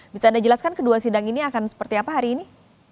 bisa anda jelaskan kedua sidang ini akan seperti apa hari ini